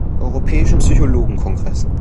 Europäischen Psychologen-Kongress".